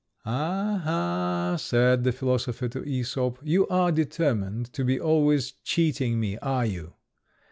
"Ah, ah!" said the philosopher to Æsop, "you are determined to be always cheating me, are you?